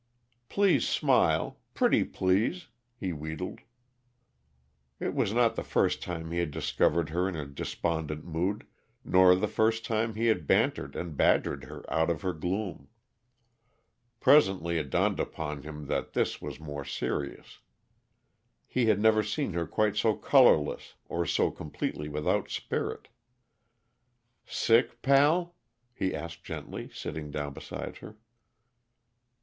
Please smile. Pretty please!" he wheedled. It was not the first time he had discovered her in a despondent mood, nor the first time he had bantered and badgered her out of her gloom. Presently it dawned upon him that this was more serious; he had never seen her quite so colorless or so completely without spirit. "Sick, pal?" he asked gently, sitting down beside her.